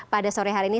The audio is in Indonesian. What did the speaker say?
pada sore hari ini